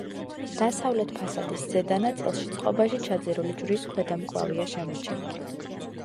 დასავლეთ ფასადის ზედა ნაწილში, წყობაში ჩაძირული ჯვრის ქვედა მკლავია შემორჩენილი.